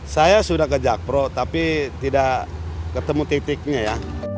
saya sudah ke jakpro tapi tidak ketemu titiknya ya